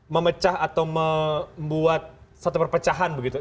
memecah atau membuat satu perpecahan begitu